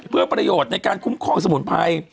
เพื่อประโยชน์ในการคุ้มครองสมุนไพร